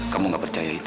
kamu gak percaya itu